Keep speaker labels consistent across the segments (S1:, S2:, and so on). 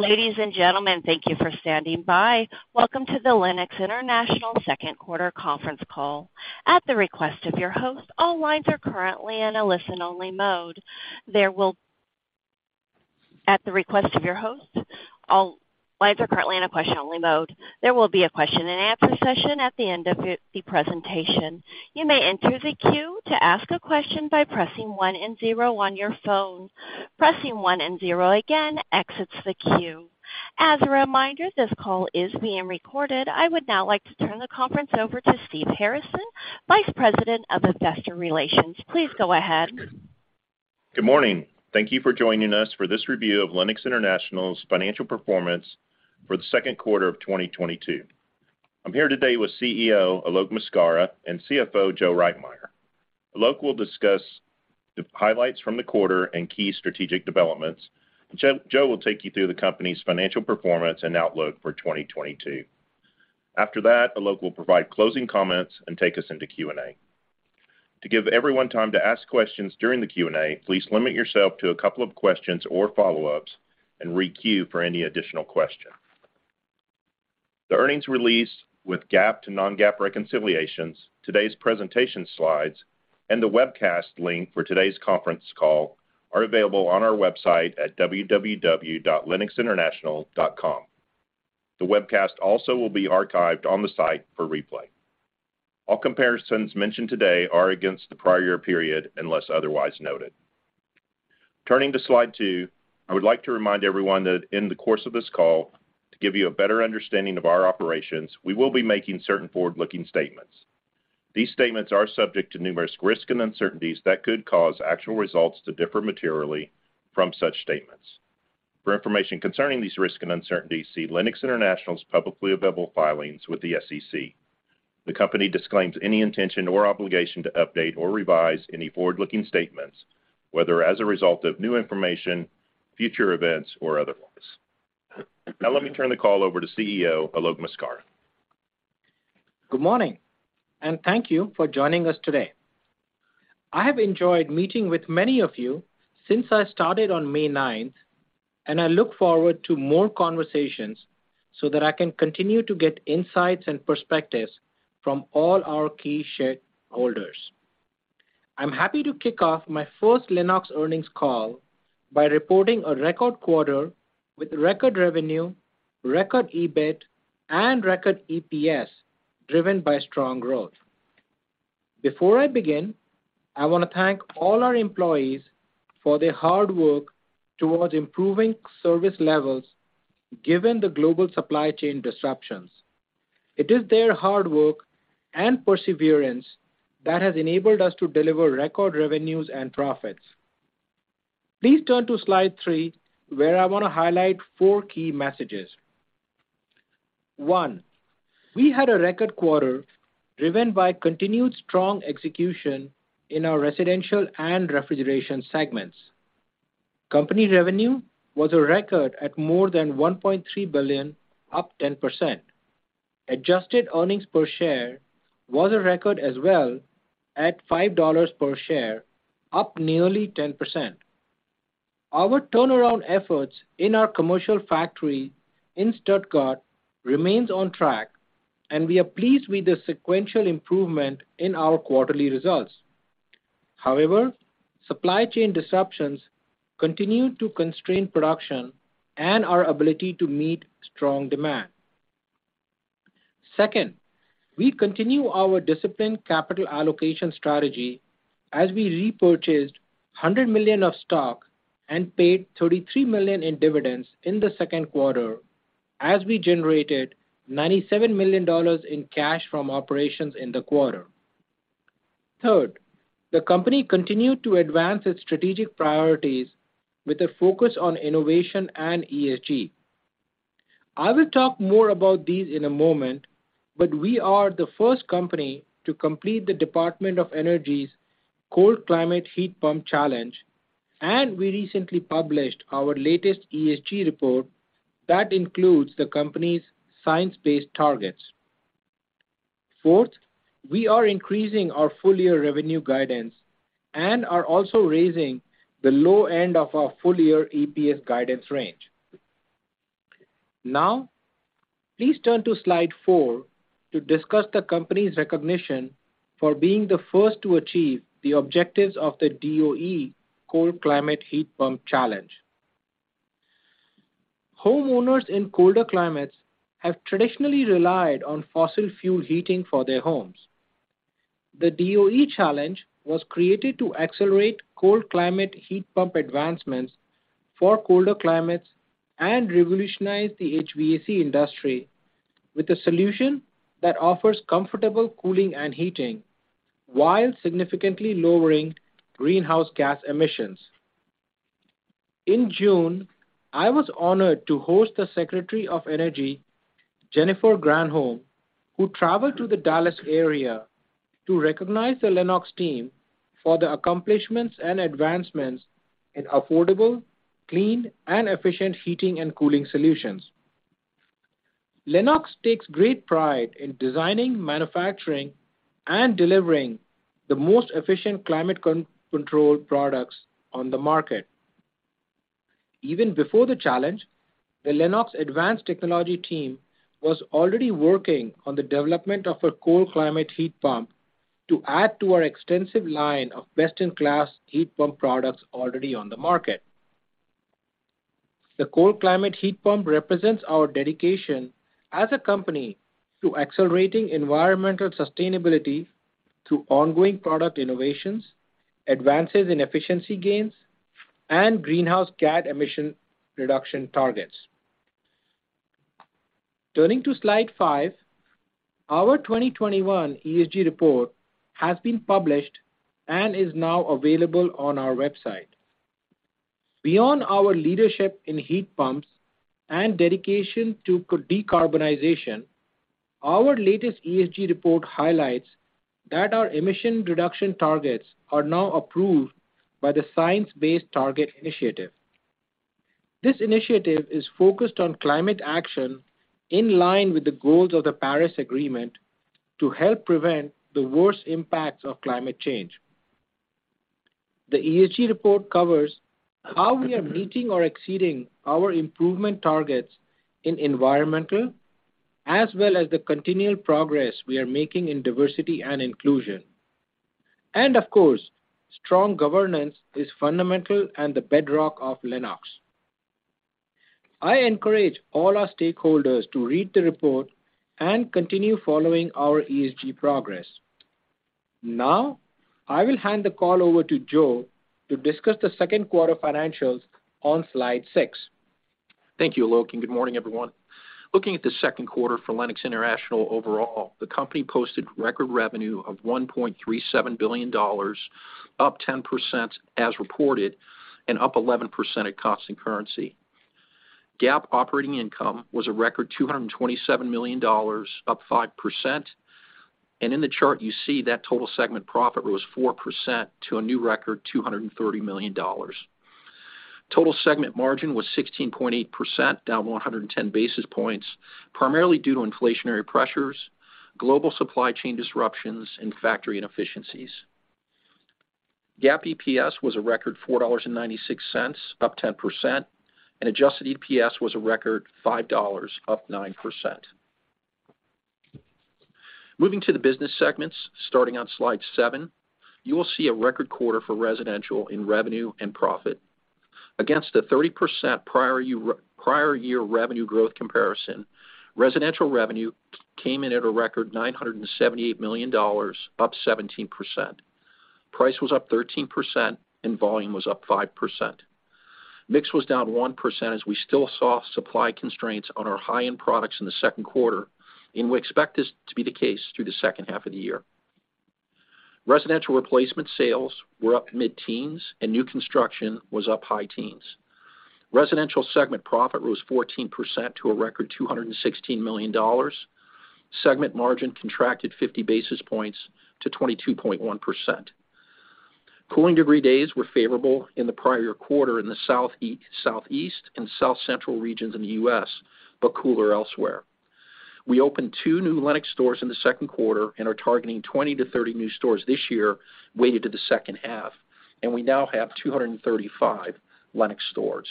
S1: Ladies and gentlemen, thank you for standing by. Welcome to the Lennox International second quarter conference call. At the request of your host, all lines are currently in a listen-only mode. There will be a question and answer session at the end of the presentation. You may enter the queue to ask a question by pressing one and zero on your phone. Pressing one and zero again exits the queue. As a reminder, this call is being recorded. I would now like to turn the conference over to Steve Harrison, Vice President of Investor Relations. Please go ahead.
S2: Good morning. Thank you for joining us for this review of Lennox International's financial performance for the second quarter of 2022. I'm here today with CEO Alok Maskara and CFO Joe Reitmeier. Alok will discuss the highlights from the quarter and key strategic developments. Joe will take you through the company's financial performance and outlook for 2022. After that, Alok will provide closing comments and take us into Q&A. To give everyone time to ask questions during the Q&A, please limit yourself to a couple of questions or follow-ups and re-queue for any additional questions. The earnings release with GAAP to non-GAAP reconciliations, today's presentation slides, and the webcast link for today's conference call are available on our website at www.lennoxinternational.com. The webcast also will be archived on the site for replay. All comparisons mentioned today are against the prior year period, unless otherwise noted. Turning to slide two, I would like to remind everyone that in the course of this call, to give you a better understanding of our operations, we will be making certain forward-looking statements. These statements are subject to numerous risks and uncertainties that could cause actual results to differ materially from such statements. For information concerning these risks and uncertainties, see Lennox International's publicly available filings with the SEC. The company disclaims any intention or obligation to update or revise any forward-looking statements, whether as a result of new information, future events, or otherwise. Now let me turn the call over to CEO Alok Maskara.
S3: Good morning, and thank you for joining us today. I have enjoyed meeting with many of you since I started on May 9th, and I look forward to more conversations so that I can continue to get insights and perspectives from all our key shareholders. I'm happy to kick off my first Lennox earnings call by reporting a record quarter with record revenue, record EBIT, and record EPS driven by strong growth. Before I begin, I wanna thank all our employees for their hard work towards improving service levels given the global supply chain disruptions. It is their hard work and perseverance that has enabled us to deliver record revenues and profits. Please turn to slide three, where I wanna highlight four key messages. One, we had a record quarter driven by continued strong execution in our residential and refrigeration segments. Company revenue was a record at more than $1.3 billion, up 10%. Adjusted earnings per share was a record as well at $5 per share, up nearly 10%. Our turnaround efforts in our commercial factory in Stuttgart remains on track, and we are pleased with the sequential improvement in our quarterly results. However, supply chain disruptions continue to constrain production and our ability to meet strong demand. Second, we continue our disciplined capital allocation strategy as we repurchased 100 million of stock and paid $33 million in dividends in the second quarter, as we generated $97 million in cash from operations in the quarter. Third, the company continued to advance its strategic priorities with a focus on innovation and ESG. I will talk more about these in a moment, but we are the first company to complete the Department of Energy's Cold Climate Heat Pump Challenge, and we recently published our latest ESG report that includes the company's science-based targets. Fourth, we are increasing our full-year revenue guidance and are also raising the low end of our full-year EPS guidance range. Now, please turn to slide four to discuss the company's recognition for being the first to achieve the objectives of the DOE Cold Climate Heat Pump Challenge. Homeowners in colder climates have traditionally relied on fossil fuel heating for their homes. The DOE Challenge was created to accelerate cold climate heat pump advancements for colder climates and revolutionize the HVAC industry with a solution that offers comfortable cooling and heating while significantly lowering greenhouse gas emissions. In June, I was honored to host the Secretary of Energy, Jennifer Granholm, who traveled to the Dallas area to recognize the Lennox team for their accomplishments and advancements in affordable, clean, and efficient heating and cooling solutions. Lennox takes great pride in designing, manufacturing, and delivering the most efficient climate control products on the market. Even before the challenge, the Lennox advanced technology team was already working on the development of a cold climate heat pump to add to our extensive line of best-in-class heat pump products already on the market. The cold climate heat pump represents our dedication as a company to accelerating environmental sustainability through ongoing product innovations, advances in efficiency gains, and greenhouse gas emission reduction targets. Turning to slide five. Our 2021 ESG report has been published and is now available on our website. Beyond our leadership in heat pumps and dedication to decarbonization, our latest ESG report highlights that our emission reduction targets are now approved by the science-based targets initiative. This initiative is focused on climate action in line with the goals of the Paris Agreement to help prevent the worst impacts of climate change. The ESG report covers how we are meeting or exceeding our improvement targets in environmental, as well as the continual progress we are making in diversity and inclusion. Of course, strong governance is fundamental and the bedrock of Lennox. I encourage all our stakeholders to read the report and continue following our ESG progress. Now I will hand the call over to Joe to discuss the second quarter financials on slide 6.
S4: Thank you, Alok, and good morning, everyone. Looking at the second quarter for Lennox International overall, the company posted record revenue of $1.37 billion, up 10% as reported, and up 11% at constant currency. GAAP operating income was a record $227 million, up 5%. In the chart you see that total segment profit rose 4% to a new record, $230 million. Total segment margin was 16.8%, down 110 basis points, primarily due to inflationary pressures, global supply chain disruptions, and factory inefficiencies. GAAP EPS was a record $4.96, up 10%, and adjusted EPS was a record $5, up 9%. Moving to the business segments, starting on slide seven, you will see a record quarter for residential in revenue and profit. Against the 30% prior year, prior year revenue growth comparison, residential revenue came in at a record $978 million, up 17%. Price was up 13% and volume was up 5%. Mix was down 1% as we still saw supply constraints on our high-end products in the second quarter, and we expect this to be the case through the second half of the year. Residential replacement sales were up mid-teens and new construction was up high teens. Residential segment profit rose 14% to a record $216 million. Segment margin contracted 50 basis points to 22.1%. Cooling degree days were favorable in the prior quarter in the Southeast and South Central regions in the U.S., but cooler elsewhere. We opened two new Lennox stores in the second quarter and are targeting 20 to 30 new stores this year, weighted to the second half, and we now have 235 Lennox stores.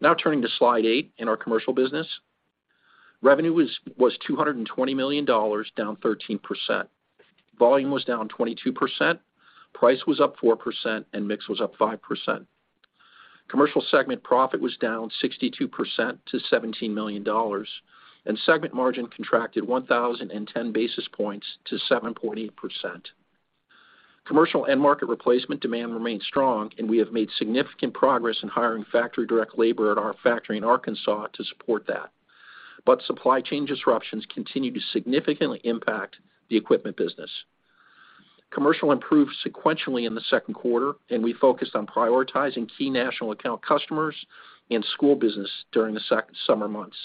S4: Now turning to slide eight in our commercial business. Revenue was $220 million, down 13%. Volume was down 22%, price was up 4%, and mix was up 5%. Commercial segment profit was down 62% to $17 million, and segment margin contracted 1,010 basis points to 7.8%. Commercial end market replacement demand remains strong, and we have made significant progress in hiring factory direct labor at our factory in Arkansas to support that. Supply chain disruptions continue to significantly impact the equipment business. Commercial improved sequentially in the second quarter, and we focused on prioritizing key national account customers and school business during the summer months.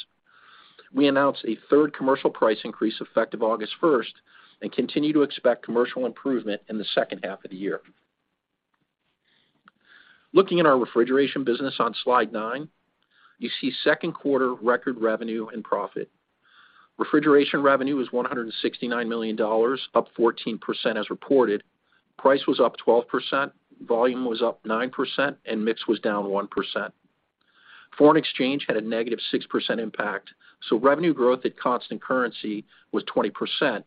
S4: We announced a third commercial price increase effective August first, and continue to expect commercial improvement in the second half of the year. Looking at our refrigeration business on slide nine, you see second quarter record revenue and profit. Refrigeration revenue was $169 million, up 14% as reported. Price was up 12%, volume was up 9%, and mix was down 1%. Foreign exchange had a -6% impact, so revenue growth at constant currency was 20%,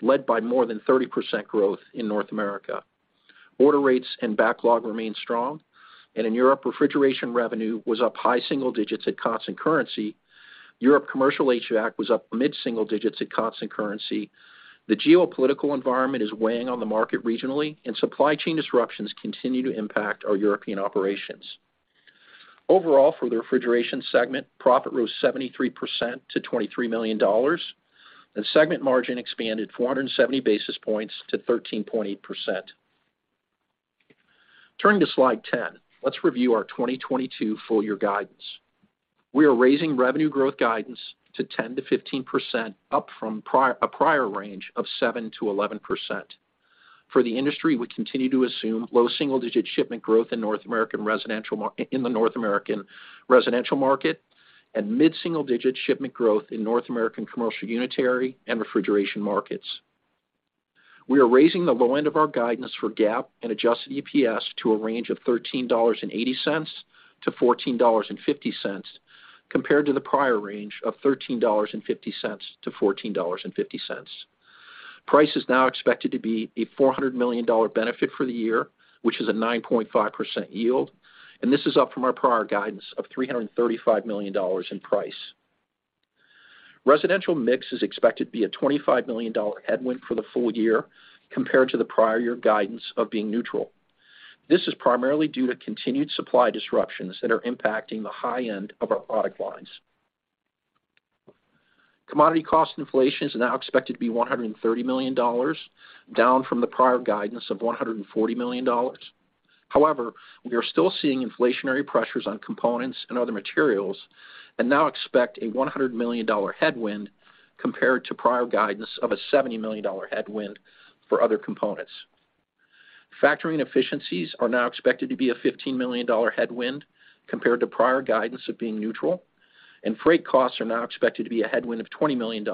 S4: led by more than 30% growth in North America. Order rates and backlog remain strong. In Europe, refrigeration revenue was up high single digits at constant currency. Europe commercial HVAC was up mid-single digits at constant currency. The geopolitical environment is weighing on the market regionally, and supply chain disruptions continue to impact our European operations. Overall, for the refrigeration segment, profit rose 73% to $23 million, and segment margin expanded 470 basis points to 13.8%. Turning to slide 10, let's review our 2022 full-year guidance. We are raising revenue growth guidance to 10% to 15% up from a prior range of 7% to 11%. For the industry, we continue to assume low single-digit shipment growth in North American residential market and mid-single digit shipment growth in North American commercial unitary and refrigeration markets. We are raising the low end of our guidance for GAAP and adjusted EPS to a range of $13.80 to $14.50 compared to the prior range of $13.50 to $14.50. Price is now expected to be a $400 million benefit for the year, which is a 9.5% yield, and this is up from our prior guidance of $335 million in price. Residential mix is expected to be a $25 million headwind for the full year compared to the prior year guidance of being neutral. This is primarily due to continued supply disruptions that are impacting the high end of our product lines. Commodity cost inflation is now expected to be $130 million, down from the prior guidance of $140 million. However, we are still seeing inflationary pressures on components and other materials and now expect a $100 million headwind compared to prior guidance of a $70 million headwind for other components. Factoring efficiencies are now expected to be a $15 million headwind compared to prior guidance of being neutral, and freight costs are now expected to be a headwind of $20 million,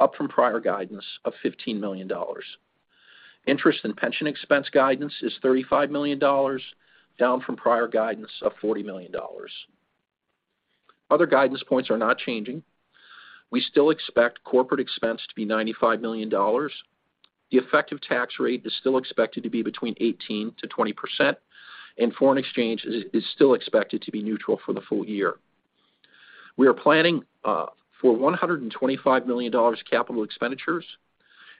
S4: up from prior guidance of $15 million. Interest and pension expense guidance is $35 million, down from prior guidance of $40 million. Other guidance points are not changing. We still expect corporate expense to be $95 million. The effective tax rate is still expected to be between 18% to 20%, and foreign exchange is still expected to be neutral for the full year. We are planning for $125 million capital expenditures.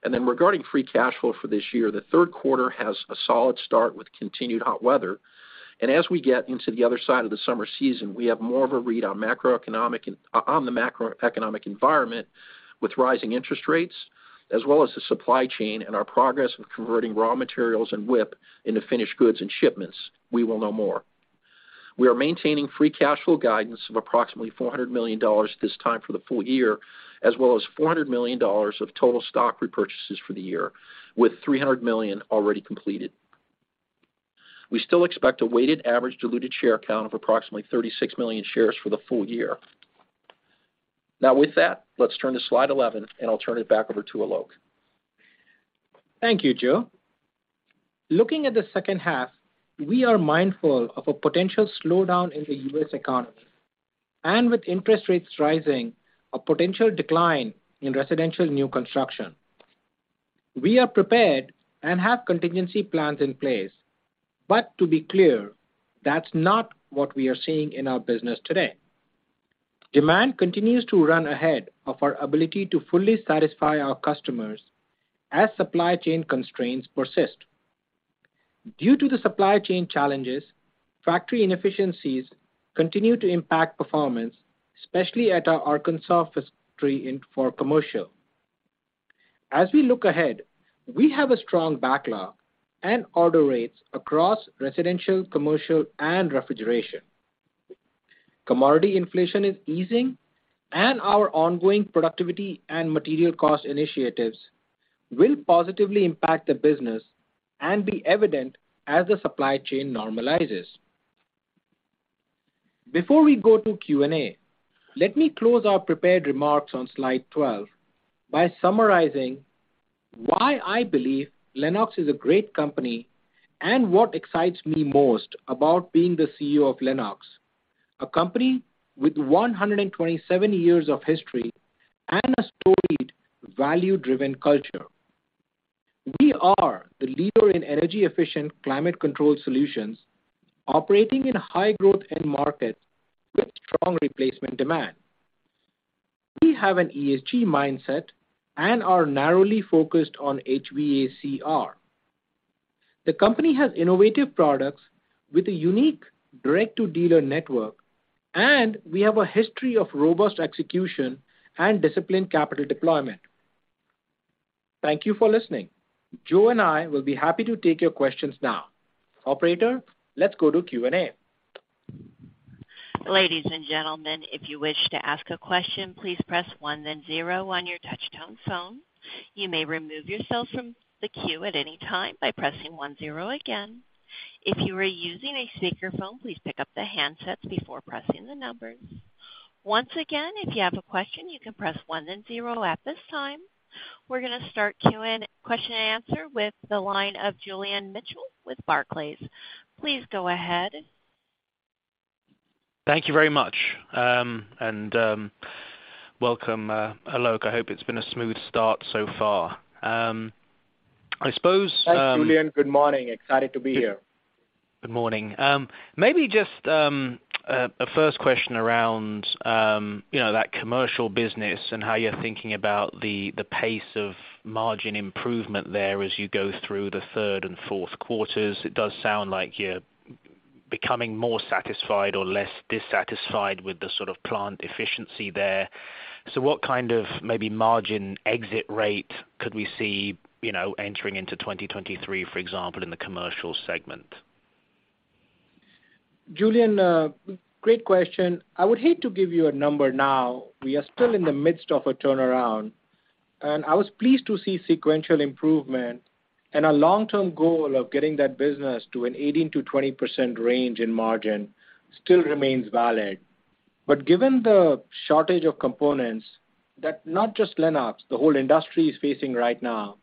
S4: Regarding free cash flow for this year, the third quarter has a solid start with continued hot weather. As we get into the other side of the summer season, we have more of a read on the macroeconomic environment with rising interest rates as well as the supply chain and our progress with converting raw materials and WIP into finished goods and shipments, we will know more. We are maintaining free cash flow guidance of approximately $400 million this time for the full year, as well as $400 million of total stock repurchases for the year, with $300 million already completed. We still expect a weighted average diluted share count of approximately 36 million shares for the full year. Now, with that, let's turn to slide 11, and I'll turn it back over to Alok.
S3: Thank you, Joe. Looking at the second half, we are mindful of a potential slowdown in the U.S. economy and with interest rates rising, a potential decline in residential new construction. We are prepared and have contingency plans in place. To be clear, that's not what we are seeing in our business today. Demand continues to run ahead of our ability to fully satisfy our customers as supply chain constraints persist. Due to the supply chain challenges, factory inefficiencies continue to impact performance, especially at our Arkansas factory for commercial. As we look ahead, we have a strong backlog and order rates across residential, commercial, and refrigeration. Commodity inflation is easing, and our ongoing productivity and material cost initiatives will positively impact the business and be evident as the supply chain normalizes. Before we go to Q&A, let me close our prepared remarks on slide 12 by summarizing why I believe Lennox is a great company and what excites me most about being the CEO of Lennox, a company with 127 years of history and a storied value-driven culture. We are the leader in energy efficient climate control solutions, operating in high growth end markets with strong replacement demand. We have an ESG mindset and are narrowly focused on HVACR. The company has innovative products with a unique direct-to-dealer network, and we have a history of robust execution and disciplined capital deployment. Thank you for listening. Joe and I will be happy to take your questions now. Operator, let's go to Q&A.
S1: Ladies and gentlemen, if you wish to ask a question, please press one then zero on your touch-tone phone. You may remove yourself from the queue at any time by pressing one zero again. If you are using a speakerphone, please pick up the handsets before pressing the numbers. Once again, if you have a question, you can press one then zero. At this time, we're gonna start question and answer with the line of Julian Mitchell with Barclays. Please go ahead.
S5: Thank you very much. Welcome, Alok. I hope it's been a smooth start so far. I suppose,
S3: Thanks, Julian. Good morning. Excited to be here.
S5: Good morning. Maybe just a first question around you know that commercial business and how you're thinking about the pace of margin improvement there as you go through the third and fourth quarters. It does sound like you're becoming more satisfied or less dissatisfied with the sort of plant efficiency there. What kind of maybe margin exit rate could we see you know entering into 2023 for example in the commercial segment?
S3: Julian, great question. I would hate to give you a number now. We are still in the midst of a turnaround, and I was pleased to see sequential improvement and a long-term goal of getting that business to an 18% to 20% range in margin still remains valid. Given the shortage of components that not just Lennox, the whole industry is facing right now,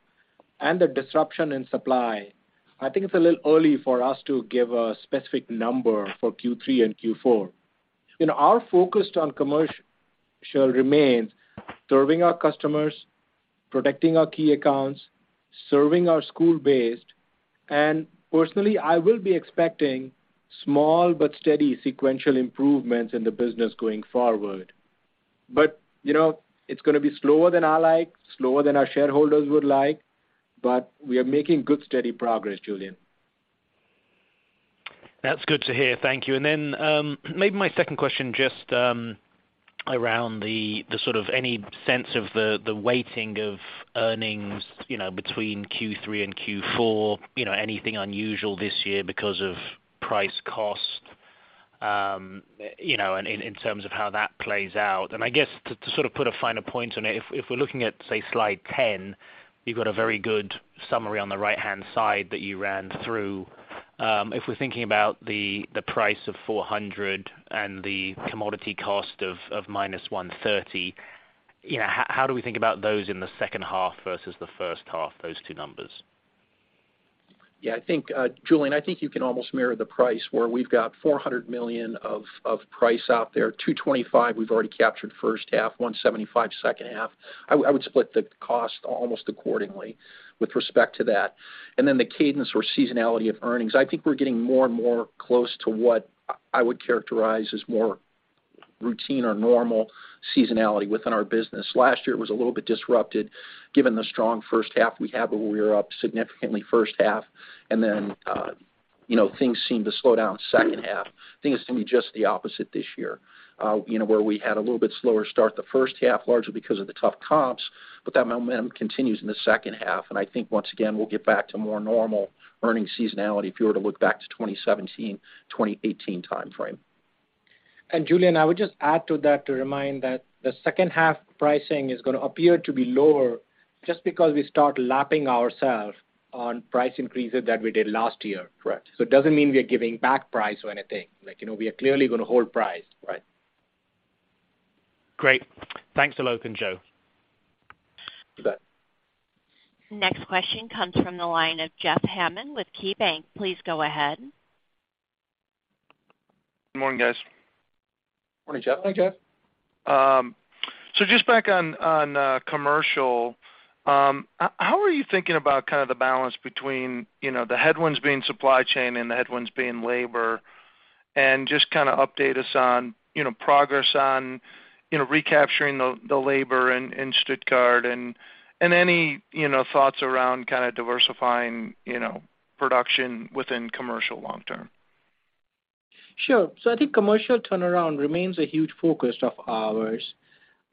S3: and the disruption in supply, I think it's a little early for us to give a specific number for Q3 and Q4. You know, our focus on commercial remains serving our customers, protecting our key accounts, serving our school base. Personally, I will be expecting small but steady sequential improvements in the business going forward. You know, it's gonna be slower than I like, slower than our shareholders would like, but we are making good, steady progress, Julian.
S5: That's good to hear. Thank you. Maybe my second question, just around the sort of any sense of the weighting of earnings, you know, between Q3 and Q4, you know, anything unusual this year because of price cost, you know, in terms of how that plays out. I guess to sort of put a finer point on it, if we're looking at, say, slide 10, you've got a very good summary on the right-hand side that you ran through. If we're thinking about the $400 and the commodity cost of -$130, you know, how do we think about those in the second half versus the first half, those two numbers?
S4: Yeah, I think, Julian, I think you can almost mirror the price where we've got $400 million of price out there 225, we've already captured first half, 175 second half. I would split the cost almost accordingly with respect to that. The cadence or seasonality of earnings. I think we're getting more and more close to what I would characterize as more routine or normal seasonality within our business. Last year was a little bit disrupted given the strong first half we had, where we were up significantly first half and then, you know, things seemed to slow down second half. Things seem to be just the opposite this year, you know, where we had a little bit slower start the first half, largely because of the tough comps, but that momentum continues in the second half. I think once again, we'll get back to more normal earnings seasonality if you were to look back to 2017, 2018 timeframe.
S3: Julian, I would just add to that to remind that the second half pricing is gonna appear to be lower just because we start lapping ourselves on price increases that we did last year.
S5: Correct.
S3: It doesn't mean we are giving back price or anything. Like, you know, we are clearly gonna hold price.
S5: Right. Great. Thanks, Alok and Joe.
S4: You bet.
S1: Next question comes from the line of Jeff Hammond with KeyBank. Please go ahead.
S6: Good morning, guys.
S4: Morning, Jeff.
S3: Hi, Jeff.
S6: Just back on commercial, how are you thinking about kind of the balance between, you know, the headwinds being supply chain and the headwinds being labor? Just kinda update us on, you know, progress on, you know, recapturing the labor in Stuttgart and any, you know, thoughts around kinda diversifying, you know, production within commercial long term.
S3: Sure. I think commercial turnaround remains a huge focus of ours.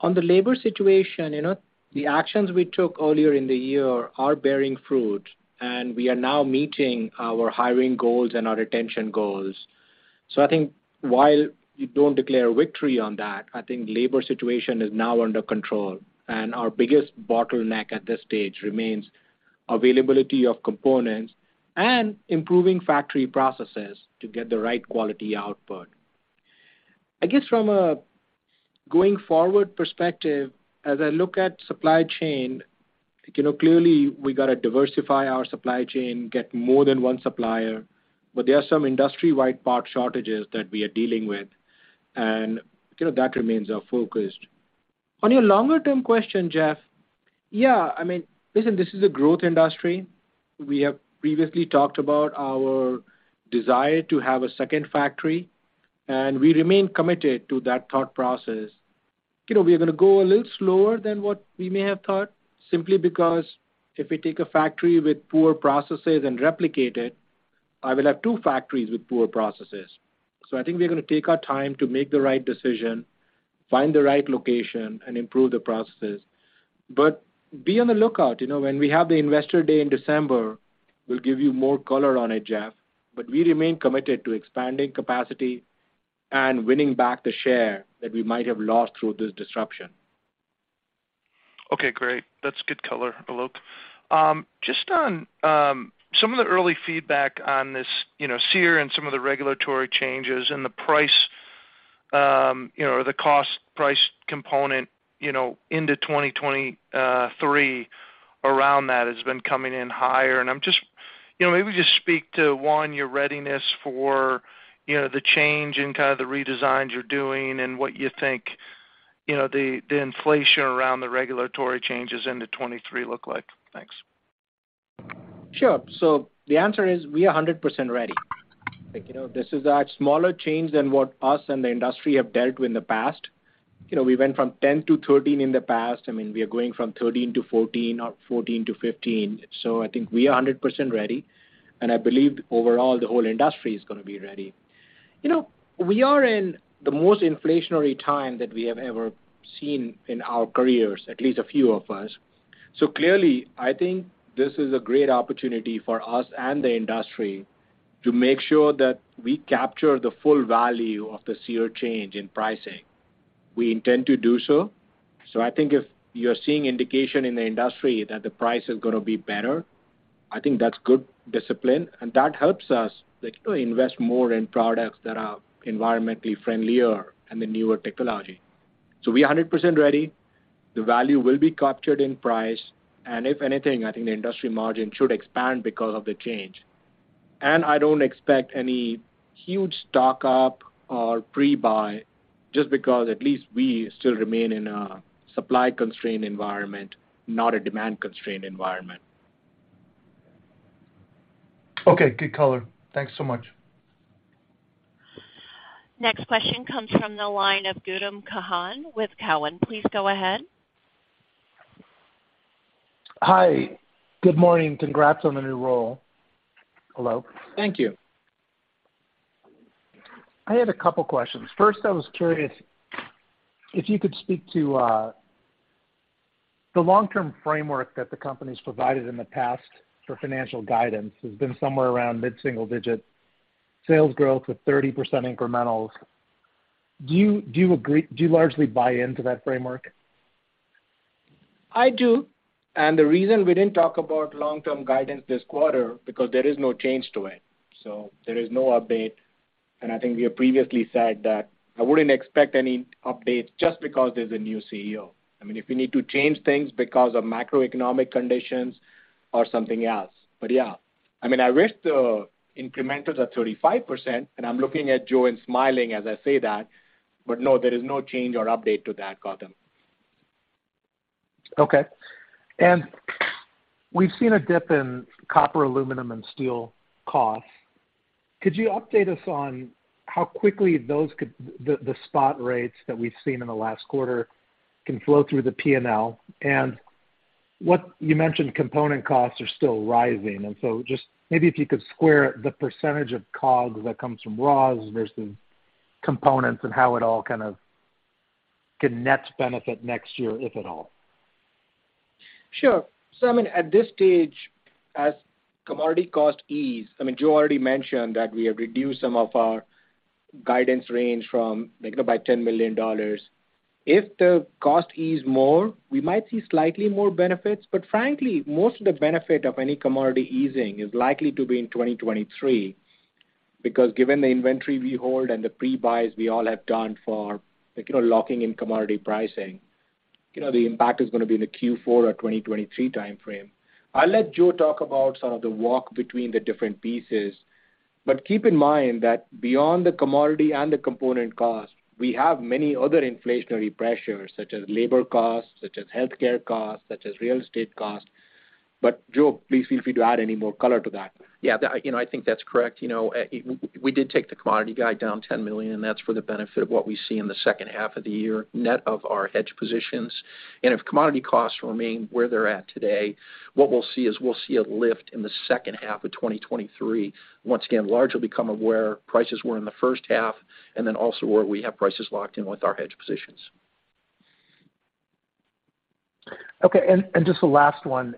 S3: On the labor situation, you know, the actions we took earlier in the year are bearing fruit, and we are now meeting our hiring goals and our retention goals. I think while you don't declare victory on that, I think labor situation is now under control, and our biggest bottleneck at this stage remains availability of components and improving factory processes to get the right quality output. I guess from a going forward perspective, as I look at supply chain, you know, clearly we gotta diversify our supply chain, get more than one supplier, but there are some industry-wide part shortages that we are dealing with, and, you know, that remains our focus. On your longer term question, Jeff. Yeah, I mean, listen, this is a growth industry. We have previously talked about our desire to have a second factory, and we remain committed to that thought process. You know, we are gonna go a little slower than what we may have thought, simply because if we take a factory with poor processes and replicate it, I will have two factories with poor processes. I think we're gonna take our time to make the right decision, find the right location, and improve the processes. Be on the lookout. You know, when we have the Investor Day in December, we'll give you more color on it, Jeff. We remain committed to expanding capacity and winning back the share that we might have lost through this disruption.
S6: Okay, great. That's good color, Alok. Just on some of the early feedback on this, you know, SEER and some of the regulatory changes and the price, you know, or the cost price component, you know, into 2023 around that has been coming in higher. I'm just you know, maybe just speak to, one, your readiness for, you know, the change and kind of the redesigns you're doing and what you think, you know, the inflation around the regulatory changes into 2023 look like. Thanks.
S3: Sure. The answer is we are 100% ready. Like, you know, this is a smaller change than what us and the industry have dealt with in the past. You know, we went from 10 to 13 in the past. I mean, we are going from 13 to 14 or 14 to 15. I think we are 100% ready, and I believe overall the whole industry is gonna be ready. We are in the most inflationary time that we have ever seen in our careers, at least a few of us. Clearly, I think this is a great opportunity for us and the industry to make sure that we capture the full value of the sea change in pricing. We intend to do so. I think if you're seeing indication in the industry that the price is gonna be better, I think that's good discipline, and that helps us to invest more in products that are environmentally friendlier and the newer technology. We are 100% ready. The value will be captured in price. If anything, I think the industry margin should expand because of the change. I don't expect any huge stock-up or pre-buy just because at least we still remain in a supply-constrained environment, not a demand-constrained environment.
S4: Okay. Good color. Thanks so much.
S1: Next question comes from the line of Gautam Khanna with Cowen. Please go ahead.
S7: Hi. Good morning. Congrats on the new role. Hello.
S3: Thank you.
S7: I had a couple questions. First, I was curious if you could speak to the long-term framework that the company's provided in the past for financial guidance has been somewhere around mid-single digit sales growth with 30% incrementals. Do you largely buy into that framework?
S3: I do. The reason we didn't talk about long-term guidance this quarter, because there is no change to it. There is no update, and I think we have previously said that I wouldn't expect any updates just because there's a new CEO. I mean, if we need to change things because of macroeconomic conditions or something else. Yeah. I mean, I raised the incrementals at 35%, and I'm looking at Joe and smiling as I say that, but no, there is no change or update to that, Gautam.
S7: Okay. We've seen a dip in copper, aluminum, and steel costs. Could you update us on how quickly the spot rates that we've seen in the last quarter can flow through the P&L? You mentioned component costs are still rising, just maybe if you could square the percentage of COGS that comes from raws versus components and how it all kind of can net benefit next year, if at all.
S3: Sure. I mean, at this stage, as commodity costs ease, I mean, Joe already mentioned that we have reduced some of our guidance range by $10 million. If the costs ease more, we might see slightly more benefits, but frankly, most of the benefit of any commodity easing is likely to be in 2023 because given the inventory we hold and the pre-buys we all have done for, like, you know, locking in commodity pricing, you know, the impact is gonna be in the Q4 or 2023 timeframe. I'll let Joe talk about some of the walk between the different pieces, keep in mind that beyond the commodity and the component costs, we have many other inflationary pressures, such as labor costs, such as healthcare costs, such as real estate costs. Joe, please feel free to add any more color to that.
S4: Yeah. You know, I think that's correct. You know, we did take the commodity guide down $10 million, and that's for the benefit of what we see in the second half of the year, net of our hedge positions. If commodity costs remain where they're at today, what we'll see is a lift in the second half of 2023. Once again, largely because our prices were in the first half and then also where we have prices locked in with our hedge positions.
S7: Okay. Just the last one.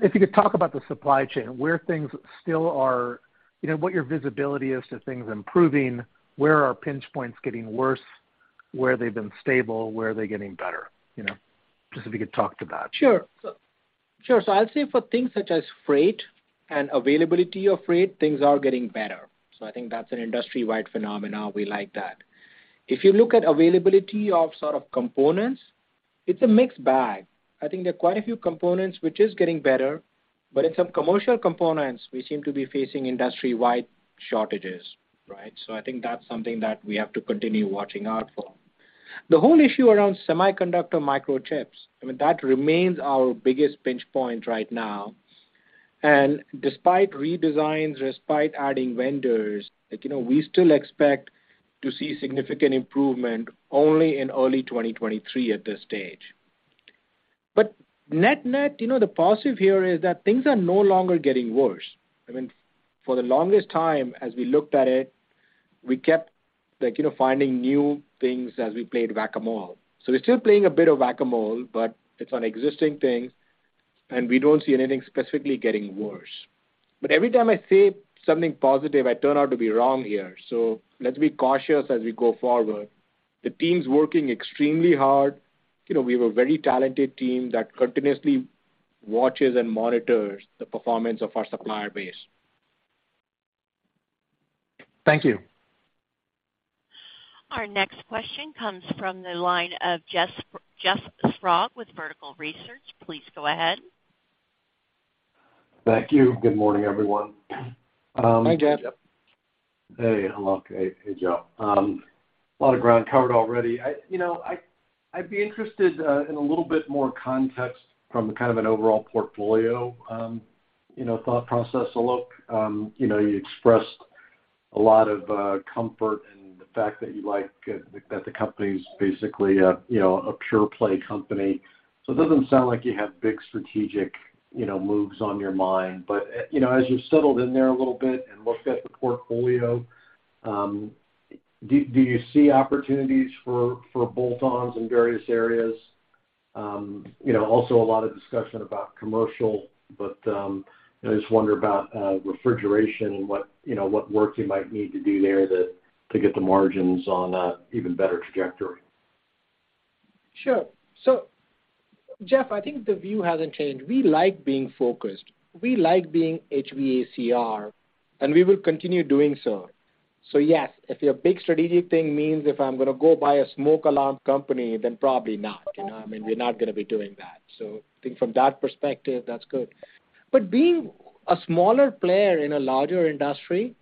S7: If you could talk about the supply chain, where things still are, you know, what your visibility is to things improving, where are pinch points getting worse, where they've been stable, where are they getting better? You know, just if you could talk to that.
S3: Sure. I'll say for things such as freight and availability of freight, things are getting better. I think that's an industry-wide phenomena. We like that. If you look at availability of sort of components, it's a mixed bag. I think there are quite a few components which is getting better, but in some commercial components, we seem to be facing industry-wide shortages, right? I think that's something that we have to continue watching out for. The whole issue around semiconductor microchips, I mean, that remains our biggest pinch point right now. Despite redesigns, despite adding vendors, like, you know, we still expect to see significant improvement only in early 2023 at this stage. Net-net, you know, the positive here is that things are no longer getting worse. I mean, for the longest time, as we looked at it, we kept, like, you know, finding new things as we played Whac-A-Mole. We're still playing a bit of Whac-A-Mole, but it's on existing things, and we don't see anything specifically getting worse. Every time I say something positive, I turn out to be wrong here. Let's be cautious as we go forward. The team's working extremely hard. You know, we have a very talented team that continuously watches and monitors the performance of our supplier base.
S7: Thank you.
S1: Our next question comes from the line of Jeff Sprague with Vertical Research. Please go ahead.
S8: Thank you. Good morning, everyone.
S3: Hi, Jeff.
S8: Hey, Alok. Hey, Joe. A lot of ground covered already. I, you know, I'd be interested in a little bit more context from kind of an overall portfolio, you know, thought process, Alok. You know, you expressed a lot of comfort in the fact that the company's basically a pure play company. It doesn't sound like you have big strategic, you know, moves on your mind. You know, as you settled in there a little bit and looked at the portfolio, do you see opportunities for bolt-ons in various areas? You know, also a lot of discussion about commercial, but I just wonder about refrigeration and what, you know, what work you might need to do there to get the margins on an even better trajectory.
S3: Sure. Jeff, I think the view hasn't changed. We like being focused. We like being HVACR, and we will continue doing so. Yes, if your big strategic thing means if I'm gonna go buy a smoke alarm company, then probably not. You know what I mean? We're not gonna be doing that. I think from that perspective, that's good. But being a smaller player in a larger industry,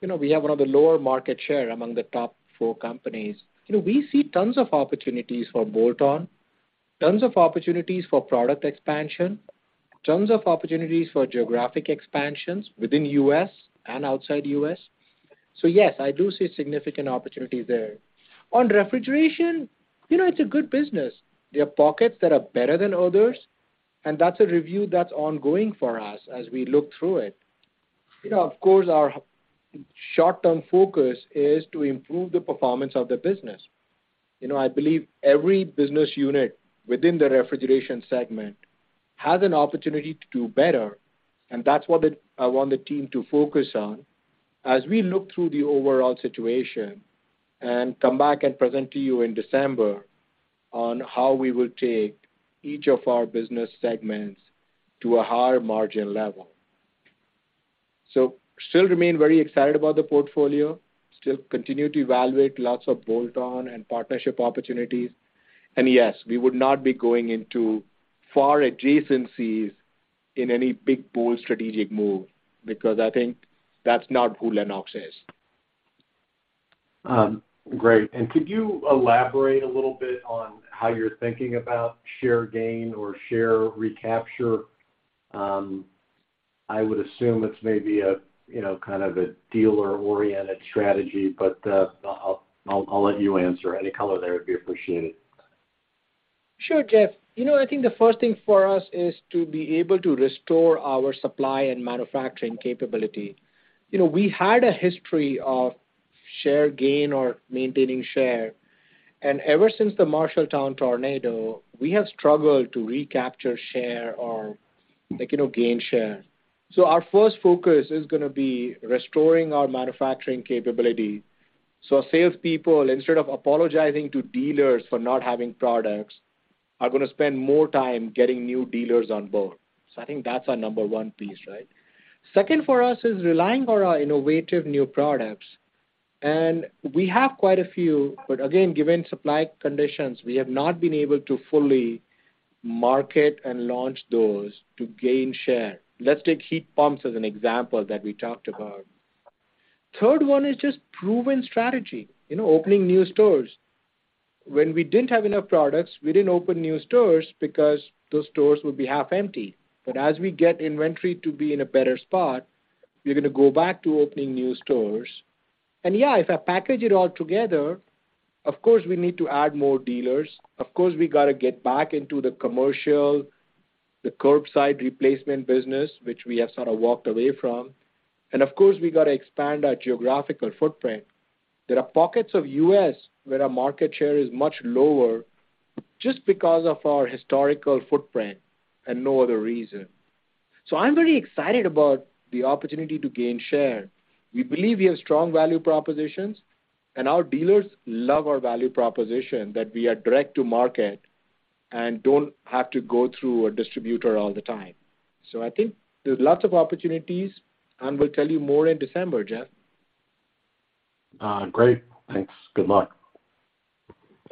S3: you know, we have one of the lower market share among the top four companies. You know, we see tons of opportunities for bolt-on, tons of opportunities for product expansion, tons of opportunities for geographic expansions within U.S. and outside U.S. Yes, I do see significant opportunities there. On refrigeration, you know, it's a good business. There are pockets that are better than others, and that's a review that's ongoing for us as we look through it. You know, of course, our short-term focus is to improve the performance of the business. You know, I believe every business unit within the refrigeration segment has an opportunity to do better, and that's what I want the team to focus on as we look through the overall situation and come back and present to you in December on how we will take each of our business segments to a higher margin level. Still remain very excited about the portfolio, still continue to evaluate lots of bolt-on and partnership opportunities. Yes, we would not be going into far adjacencies in any big, bold strategic move because I think that's not who Lennox is.
S8: Great. Could you elaborate a little bit on how you're thinking about share gain or share recapture? I would assume it's maybe a, you know, kind of a dealer-oriented strategy, but I'll let you answer. Any color there would be appreciated.
S3: Sure, Jeff. You know, I think the first thing for us is to be able to restore our supply and manufacturing capability. You know, we had a history of share gain or maintaining share. Ever since the Marshalltown tornado, we have struggled to recapture share or, like, you know, gain share. Our first focus is gonna be restoring our manufacturing capability. Salespeople, instead of apologizing to dealers for not having products, are gonna spend more time getting new dealers on board. I think that's our number one piece, right? Second for us is relying on our innovative new products. We have quite a few, but again, given supply conditions, we have not been able to fully market and launch those to gain share. Let's take heat pumps as an example that we talked about. Third one is just proven strategy, you know, opening new stores. When we didn't have enough products, we didn't open new stores because those stores would be half empty. As we get inventory to be in a better spot, we're gonna go back to opening new stores. Yeah, if I package it all together, of course, we need to add more dealers. Of course, we gotta get back into the commercial, the curbside replacement business, which we have sort of walked away from. Of course, we gotta expand our geographical footprint. There are pockets of U.S. where our market share is much lower just because of our historical footprint and no other reason. I'm very excited about the opportunity to gain share. We believe we have strong value propositions, and our dealers love our value proposition that we are direct to market and don't have to go through a distributor all the time. I think there's lots of opportunities, and we'll tell you more in December, Jeff.
S8: Great. Thanks. Good luck.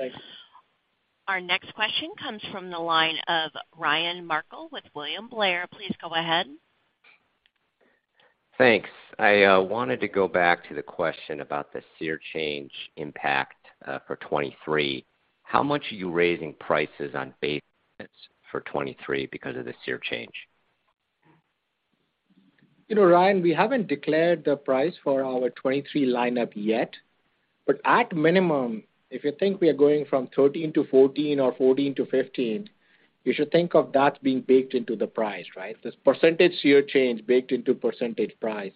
S3: Thanks.
S1: Our next question comes from the line of Ryan Merkel with William Blair. Please go ahead.
S9: Thanks. I wanted to go back to the question about the SEER change impact for 2023. How much are you raising prices on base for 2023 because of the SEER change?
S3: You know, Ryan, we haven't declared the price for our 2023 lineup yet. At minimum, if you think we are going from 13 to 14 or 14 to 15, you should think of that being baked into the price, right? This percentage SEER change baked into percentage price.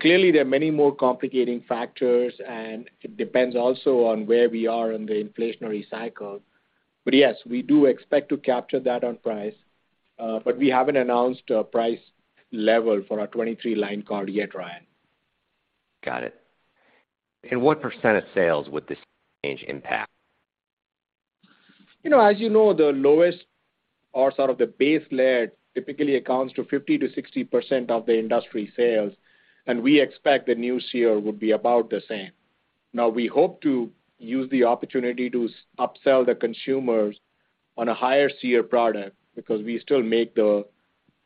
S3: Clearly, there are many more complicating factors, and it depends also on where we are in the inflationary cycle. Yes, we do expect to capture that on price, but we haven't announced a price level for our 2023 line card yet, Ryan.
S9: Got it. What % of sales would this change impact?
S3: You know, as you know, the lowest or sort of the base layer typically accounts to 50% to 60% of the industry sales, and we expect the new SEER would be about the same. Now, we hope to use the opportunity to upsell the consumers on a higher SEER product because we still make the,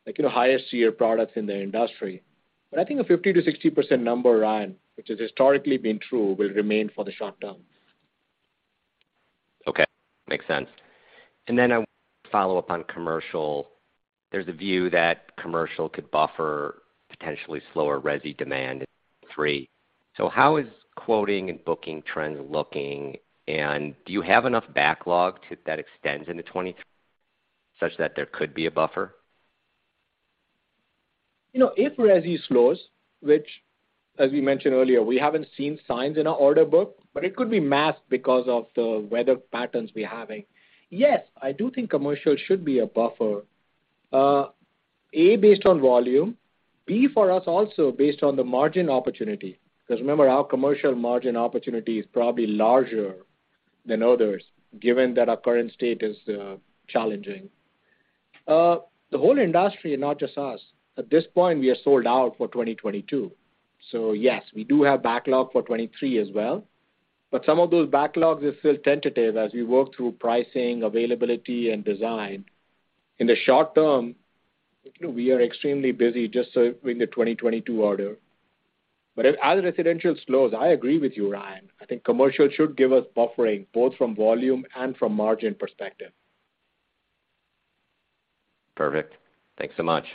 S3: like, you know, highest SEER products in the industry. I think a 50% to 60% number, Ryan, which has historically been true, will remain for the short term.
S9: Okay. Makes sense. Then I follow up on commercial. There's a view that commercial could buffer potentially slower resi demand in three. How is quoting and booking trends looking? Do you have enough backlog that extends into 2023 such that there could be a buffer?
S3: You know, if resi slows, which as we mentioned earlier, we haven't seen signs in our order book, but it could be masked because of the weather patterns we're having. Yes, I do think commercial should be a buffer, A, based on volume, B, for us also based on the margin opportunity, because remember, our commercial margin opportunity is probably larger than others, given that our current state is challenging. The whole industry and not just us, at this point, we are sold out for 2022. Yes, we do have backlog for 2023 as well. Some of those backlogs are still tentative as we work through pricing, availability, and design. In the short term, you know, we are extremely busy just serving the 2022 order. As residential slows, I agree with you, Ryan, I think commercial should give us buffering both from volume and from margin perspective.
S9: Perfect. Thanks so much.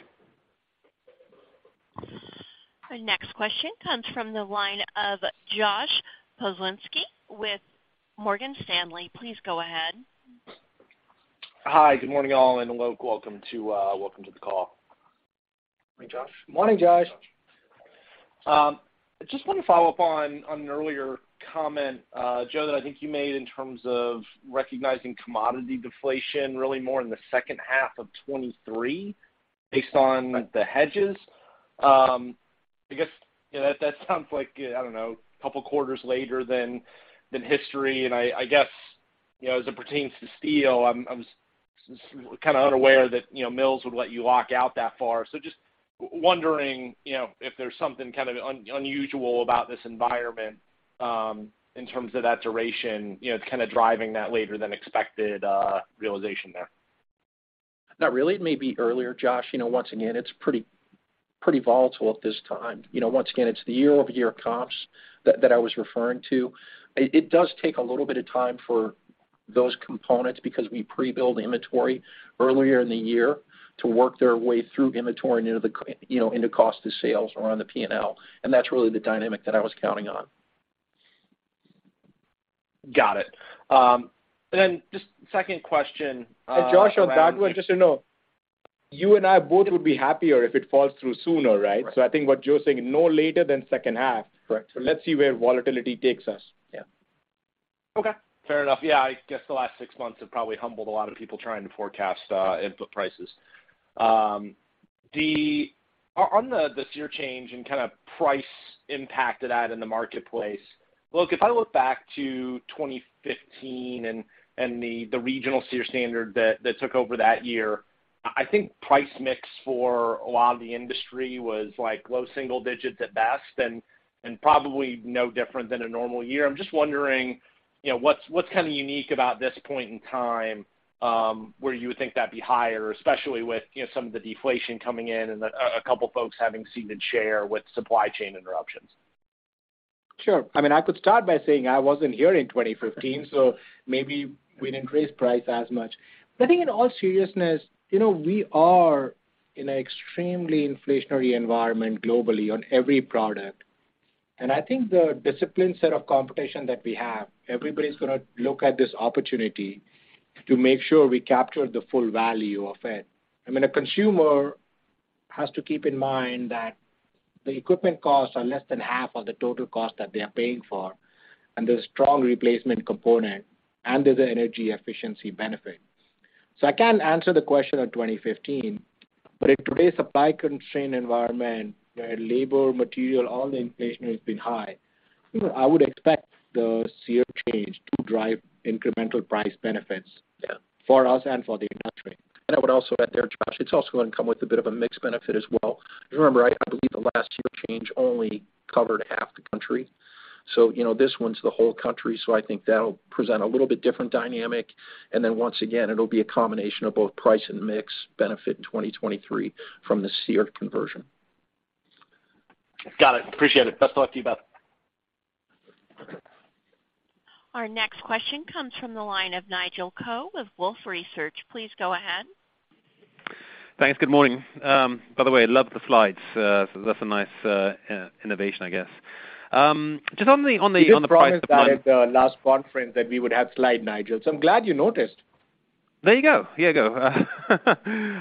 S1: Our next question comes from the line of Josh Pokrzywinski with Morgan Stanley. Please go ahead.
S10: Hi. Good morning, all, and welcome to the call.
S3: Morning, Josh.
S4: Morning, Josh.
S10: I just want to follow up on an earlier comment, Joe, that I think you made in terms of recognizing commodity deflation really more in the second half of 2023 based on the hedges. I guess, you know, that sounds like, I don't know, a couple quarters later than history. I guess, you know, as it pertains to steel, I was kind of unaware that, you know, mills would let you lock in that far. Just wondering, you know, if there's something kind of unusual about this environment, in terms of that duration, you know, kind of driving that later than expected realization there.
S4: Not really. It may be earlier, Josh. You know, once again, it's pretty volatile at this time. You know, once again, it's the year-over-year comps that I was referring to. It does take a little bit of time for those components because we pre-build inventory earlier in the year to work their way through inventory into the, you know, into cost of sales or on the P&L. That's really the dynamic that I was counting on.
S10: Got it. Just second question.
S3: Josh, on that one, just so you know, you and I both would be happier if it falls through sooner, right?
S10: Right.
S3: I think what Joe's saying, no later than second half.
S4: Correct.
S3: Let's see where volatility takes us.
S4: Yeah.
S10: Okay. Fair enough. Yeah, I guess the last six months have probably humbled a lot of people trying to forecast input prices. On the SEER change and kind of price impact of that in the marketplace, look, if I look back to 2015 and the regional SEER standard that took over that year, I think price mix for a lot of the industry was like low single digits at best and probably no different than a normal year. I'm just wondering, you know, what's kind of unique about this point in time where you would think that'd be higher, especially with, you know, some of the deflation coming in and a couple folks having ceded share with supply chain interruptions?
S3: Sure. I mean, I could start by saying I wasn't here in 2015, so maybe we didn't raise price as much. I think in all seriousness, you know, we are in an extremely inflationary environment globally on every product. I think the disciplined set of competition that we have, everybody's gonna look at this opportunity to make sure we capture the full value of it. I mean, a consumer has to keep in mind that the equipment costs are less than half of the total cost that they are paying for, and there's a strong replacement component, and there's an energy efficiency benefit. I can't answer the question on 2015, but in today's supply constrained environment where labor, material, all the inflation has been high, you know, I would expect the SEER change to drive incremental price benefits.
S4: Yeah
S3: for us and for the industry.
S4: I would also add there, Josh, it's also gonna come with a bit of a mix benefit as well. Remember, I believe the last SEER change only covered half the country. You know, this one's the whole country, so I think that'll present a little bit different dynamic. Then once again, it'll be a combination of both price and mix benefit in 2023 from the SEER conversion.
S10: Got it. Appreciate it. Best of luck to you both.
S1: Our next question comes from the line of Nigel Coe with Wolfe Research. Please go ahead.
S11: Thanks. Good morning. By the way, love the slides. That's a nice innovation, I guess. Just on the price-
S3: We did promise that at the last conference that we would have slides, Nigel, so I'm glad you noticed. There you go.
S11: Here you go.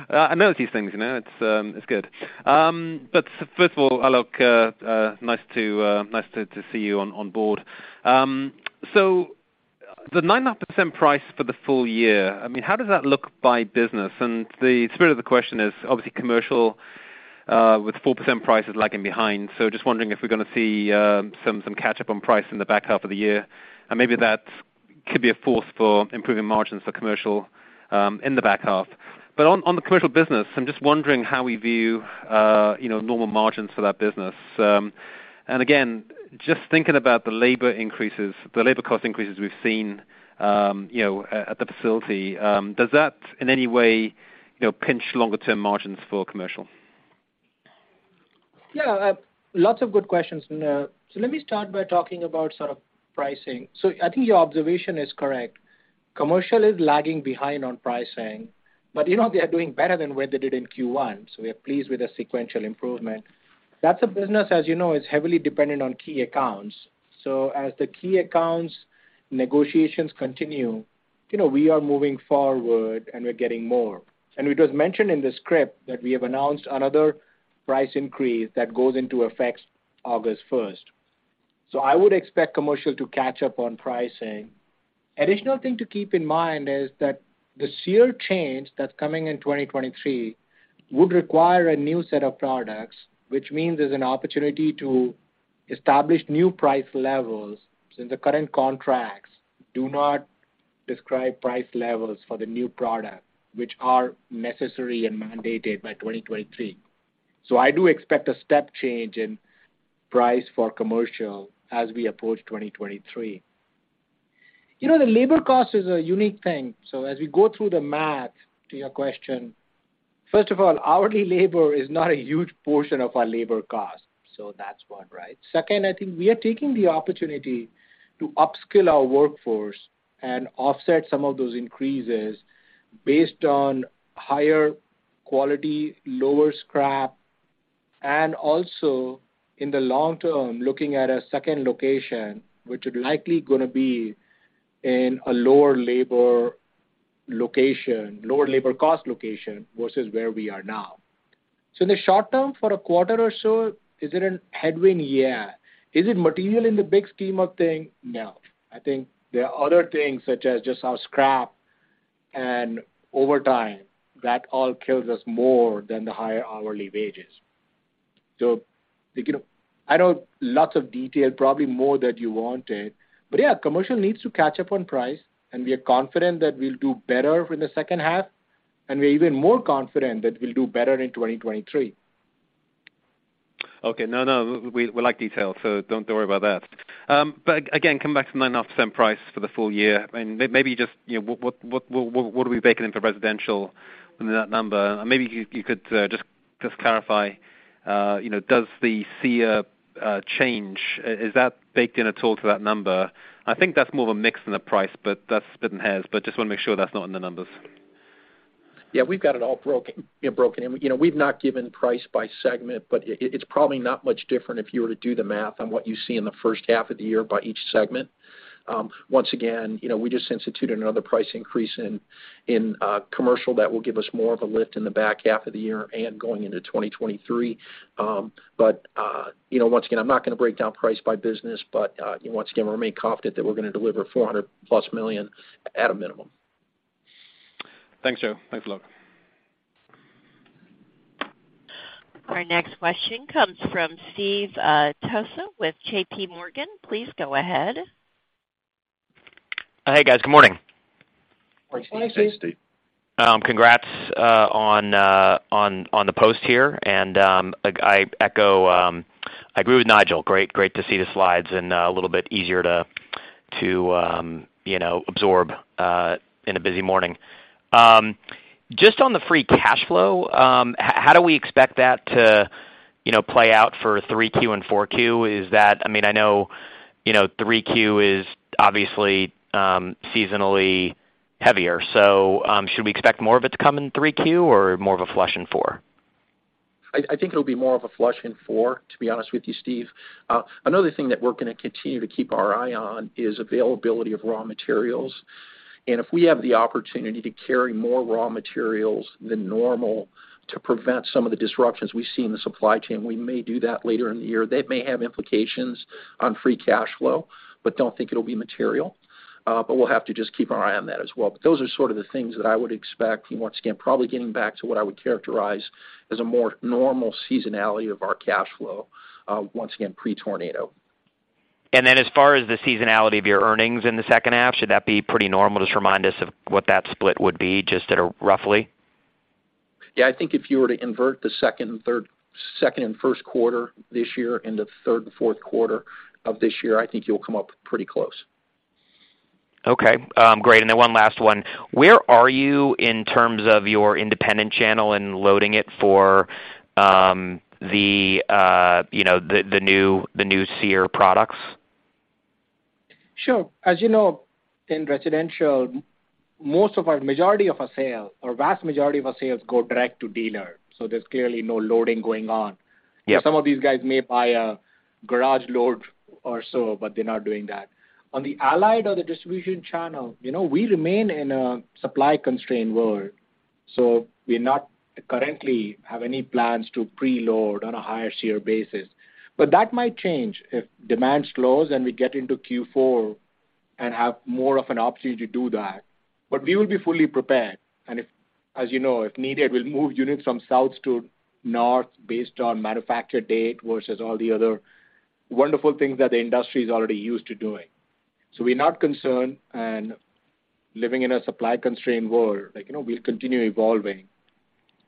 S11: I notice these things, you know, it's good. First of all, Alok, nice to see you on board. The 9.5% price for the full year, I mean, how does that look by business? The spirit of the question is obviously commercial, with 4% prices lagging behind. Just wondering if we're gonna see some catch-up on price in the back half of the year. Maybe that could be a force for improving margins for commercial in the back half. On the commercial business, I'm just wondering how we view, you know, normal margins for that business. Just thinking about the labor increases, the labor cost increases we've seen, you know, at the facility, does that in any way, you know, pinch longer term margins for commercial?
S3: Yeah, lots of good questions. Let me start by talking about sort of pricing. I think your observation is correct. Commercial is lagging behind on pricing, but, you know, they are doing better than where they did in Q1, so we are pleased with the sequential improvement. That's a business, as you know, is heavily dependent on key accounts. As the key accounts negotiations continue, you know, we are moving forward, and we're getting more. It was mentioned in the script that we have announced another price increase that goes into effect August first. I would expect commercial to catch up on pricing. Additional thing to keep in mind is that the SEER change that's coming in 2023 would require a new set of products, which means there's an opportunity to establish new price levels since the current contracts do not describe price levels for the new product, which are necessary and mandated by 2023. I do expect a step change in price for commercial as we approach 2023. You know, the labor cost is a unique thing. As we go through the math to your question, first of all, hourly labor is not a huge portion of our labor cost, so that's one, right? Second, I think we are taking the opportunity to upskill our workforce and offset some of those increases based on higher quality, lower scrap, and also in the long term, looking at a second location, which is likely gonna be in a lower labor location, lower labor cost location versus where we are now. In the short term, for a quarter or so, is it a headwind? Yeah. Is it material in the big scheme of things? No. I think there are other things such as just our scrap and over time, that all kills us more than the higher hourly wages. You know, I know lots of detail, probably more than you wanted, but yeah, commercial needs to catch up on price, and we are confident that we'll do better in the second half, and we're even more confident that we'll do better in 2023.
S11: Okay. No, no, we like detail, so don't worry about that. Again, coming back to the 9.5% price for the full year, and maybe just, you know, what are we baking in for residential in that number? Maybe you could just clarify, you know, does the SEER change, is that baked in at all to that number? I think that's more of a mix than a price, but that's splitting hairs. Just wanna make sure that's not in the numbers.
S4: Yeah. We've got it all broken in. You know, we've not given price by segment, but it's probably not much different if you were to do the math on what you see in the first half of the year by each segment. Once again, you know, we just instituted another price increase in commercial that will give us more of a lift in the back half of the year and going into 2023. You know, once again, I'm not gonna break down price by business, but you know, once again, we remain confident that we're gonna deliver $400+ million at a minimum.
S11: Thanks, Joe. Thanks a lot.
S1: Our next question comes from Steve Tusa with JPMorgan. Please go ahead.
S12: Hey, guys. Good morning.
S4: Morning, Steve.
S3: Morning, Steve.
S12: Congrats on the post here, and I agree with Nigel. Great to see the slides and a little bit easier to, you know, absorb in a busy morning. Just on the free cash flow, how do we expect that to, you know, play out for 3Q and 4Q? Is that? I mean, I know, you know, 3Q is obviously seasonally heavier. Should we expect more of it to come in 3Q or more of a flush in 4Q?
S4: I think it'll be more of a flush in Q4, to be honest with you, Steve. Another thing that we're gonna continue to keep our eye on is availability of raw materials. If we have the opportunity to carry more raw materials than normal to prevent some of the disruptions we see in the supply chain, we may do that later in the year. That may have implications on free cash flow, but don't think it'll be material. We'll have to just keep our eye on that as well. Those are sort of the things that I would expect. Once again, probably getting back to what I would characterize as a more normal seasonality of our cash flow, once again pre-tornado.
S12: As far as the seasonality of your earnings in the second half, should that be pretty normal? Just remind us of what that split would be just at a roughly.
S4: Yeah. I think if you were to invert the second and first quarter this year and the third and fourth quarter of this year, I think you'll come up pretty close.
S12: Okay. Great. One last one. Where are you in terms of your independent channel and loading it for the, you know, the new SEER products?
S3: Sure. As you know, in residential, vast majority of our sales go direct to dealer, so there's clearly no loading going on.
S12: Yeah.
S3: Some of these guys may buy a garage load or so, but they're not doing that. On the Allied or the distribution channel, you know, we remain in a supply-constrained world, so we're not currently have any plans to preload on a higher SEER basis. That might change if demand slows, and we get into Q4 and have more of an opportunity to do that. We will be fully prepared. If, as you know, if needed, we'll move units from south to north based on manufacture date versus all the other wonderful things that the industry is already used to doing. We're not concerned and living in a supply-constrained world. Like, you know, we'll continue evolving,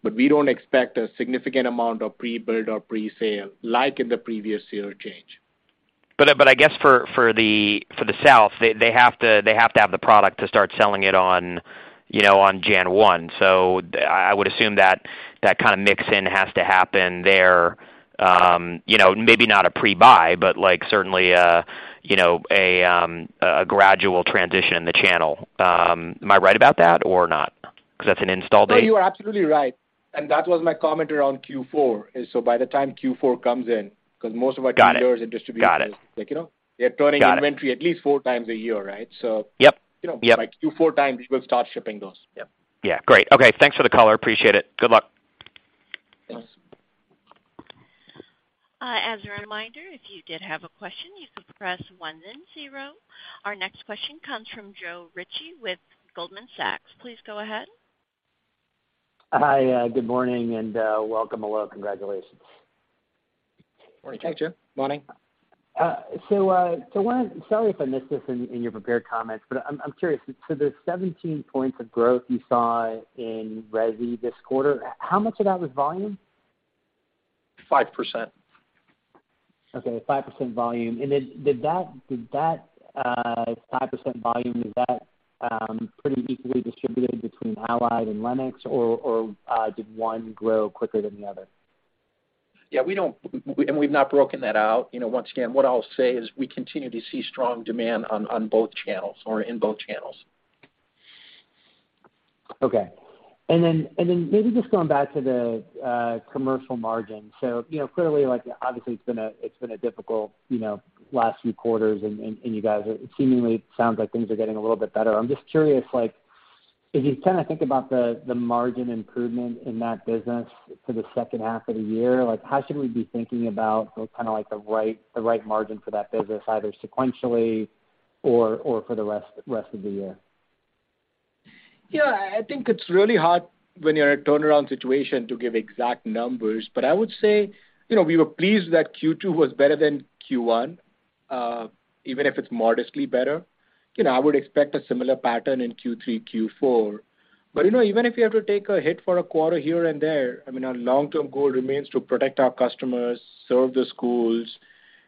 S3: but we don't expect a significant amount of pre-build or pre-sale like in the previous SEER change.
S12: I guess for the South, they have to have the product to start selling it on, you know, on January 1. I would assume that kind of mix in has to happen there. You know, maybe not a pre-buy, but like certainly a gradual transition in the channel. Am I right about that or not? 'Cause that's an install date.
S3: No, you are absolutely right. That was my comment around Q4, so by the time Q4 comes in, 'cause most of our-
S12: Got it.
S3: distributors
S12: Got it.
S3: Like, you know, they're turning.
S12: Got it.
S3: inventory at least four times a year, right? So
S12: Yep, yep.
S3: You know, by Q4 time, we will start shipping those. Yep.
S12: Yeah. Great. Okay. Thanks for the color. Appreciate it. Good luck.
S3: Thanks.
S1: As a reminder, if you did have a question, you could press one, then zero. Our next question comes from Joe Ritchie with Goldman Sachs. Please go ahead.
S13: Hi, good morning, and welcome Alok. Congratulations.
S3: Morning, Joe. Morning.
S13: Sorry if I missed this in your prepared comments, but I'm curious. The 17 points of growth you saw in resi this quarter, how much of that was volume?
S3: 5%.
S13: Okay, 5% volume. Did that 5% volume pretty equally distributed between Allied and Lennox or did one grow quicker than the other?
S3: Yeah. We've not broken that out. You know, once again, what I'll say is we continue to see strong demand on both channels or in both channels.
S13: Maybe just going back to the commercial margin. You know, clearly, like, obviously it's been a difficult, you know, last few quarters and it seems and sounds like things are getting a little bit better. I'm just curious, like, as you kind of think about the margin improvement in that business for the second half of the year, like, how should we be thinking about kind of like the right margin for that business, either sequentially or for the rest of the year?
S3: Yeah. I think it's really hard when you're in a turnaround situation to give exact numbers. I would say, you know, we were pleased that Q2 was better than Q1, even if it's modestly better. You know, I would expect a similar pattern in Q3, Q4. You know, even if you have to take a hit for a quarter here and there, I mean, our long-term goal remains to protect our customers, serve the schools,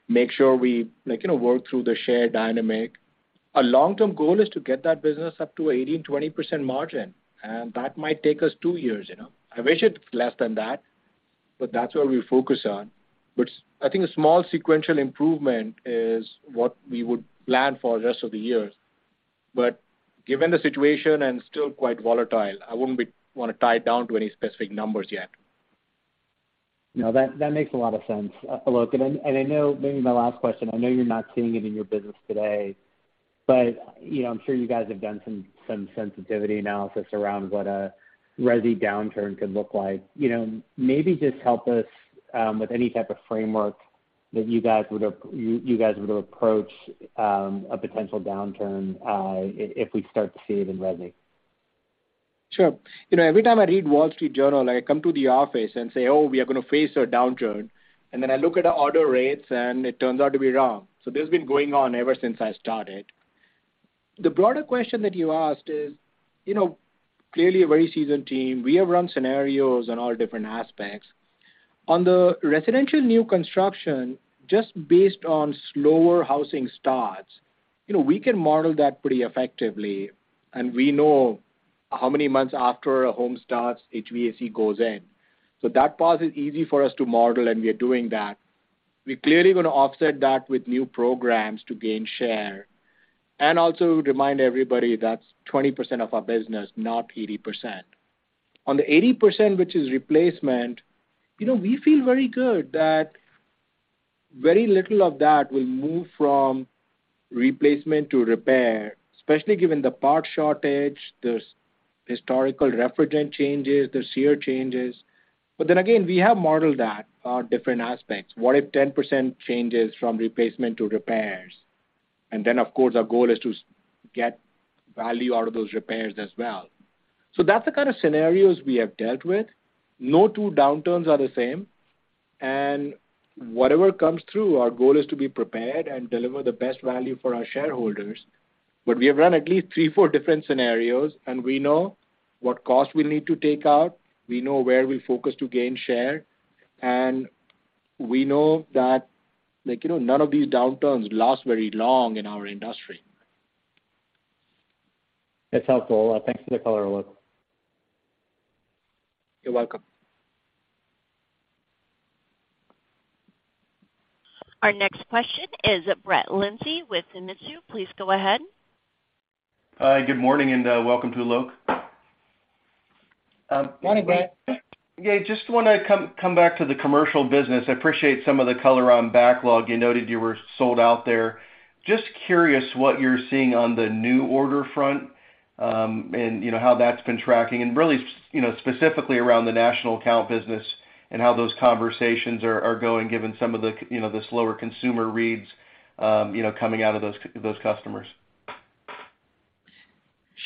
S3: make sure we, like, you know, work through the share dynamic. Our long-term goal is to get that business up to 18% to 20% margin, and that might take us two years, you know. I wish it's less than that, but that's where we focus on. I think a small sequential improvement is what we would plan for the rest of the year. Given the situation and still quite volatile, I wouldn't wanna tie it down to any specific numbers yet.
S13: No, that makes a lot of sense, Alok. Maybe my last question. I know you're not seeing it in your business today, but you know, I'm sure you guys have done some sensitivity analysis around what a resi downturn could look like. You know, maybe just help us with any type of framework that you guys would approach a potential downturn, if we start to see it in resi.
S3: Sure. You know, every time I read The Wall Street Journal, I come to the office and say, "Oh, we are gonna face a downturn." Then I look at the order rates, and it turns out to be wrong. This has been going on ever since I started. The broader question that you asked is, you know, clearly a very seasoned team. We have run scenarios on all different aspects. On the residential new construction, just based on slower housing starts, you know, we can model that pretty effectively, and we know how many months after a home starts HVAC goes in. That part is easy for us to model, and we are doing that. We're clearly gonna offset that with new programs to gain share. Also remind everybody that's 20% of our business, not 80%. On the 80%, which is replacement, you know, we feel very good that very little of that will move from replacement to repair, especially given the part shortage, the historical refrigerant changes, the SEER changes. We have modeled that on different aspects. What if 10% changes from replacement to repairs? Of course, our goal is to get value out of those repairs as well. That's the kind of scenarios we have dealt with. No two downturns are the same. Whatever comes through, our goal is to be prepared and deliver the best value for our shareholders. We have run at least three or four different scenarios, and we know what cost we need to take out, we know where we'll focus to gain share, and we know that, like, you know, none of these downturns last very long in our industry.
S13: That's helpful. Thanks for the color, Alok.
S3: You're welcome.
S1: Our next question is Brett Linzey with Mizuho. Please go ahead.
S14: Hi, good morning, and welcome to Alok.
S3: Morning, Brett.
S14: Yeah, just wanna come back to the commercial business. I appreciate some of the color on backlog. You noted you were sold out there. Just curious what you're seeing on the new order front, and you know, how that's been tracking and really, you know, specifically around the national account business and how those conversations are going, given some of the, you know, the slower consumer reads, you know, coming out of those customers.